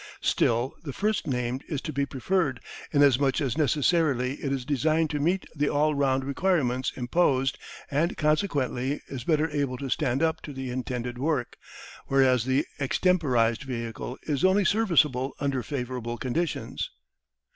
Still, the first named is to be preferred, inasmuch as necessarily it is designed to meet the all round requirements imposed, and consequently is better able to stand up to the intended work, whereas the extemporised vehicle is only serviceable under favourable conditions.